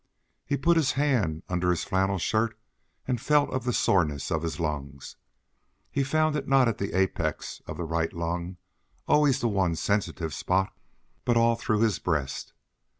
He put his hand under his flannel shirt and felt of the soreness of his lungs. He found it not at the apex of the right lung, always the one sensitive spot, but all through his breast.